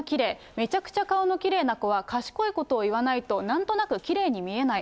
めちゃくちゃ顔のきれいな子は賢いことを言わないとなんとなくきれいに見えない。